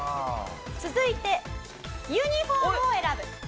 続いてユニフォームを選ぶ。